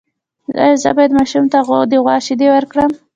ایا زه باید ماشوم ته د غوا شیدې ورکړم؟